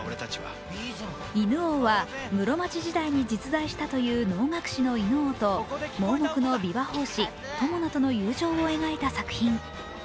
「犬王」は、室町時代に実在したという能楽師の犬王と盲目の琵琶法師、友魚との友情を描いた作品。